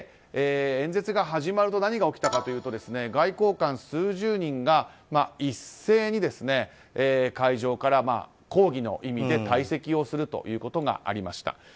演説が始まると何が起きたかというと外交官数十人が一斉に会場から抗議の意味で退席をするということがありました。